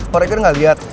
pak regar gak liat